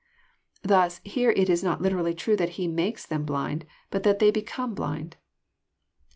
Thus here it is not literally true that He *' makes" them blind, but that they *^ became*' blind.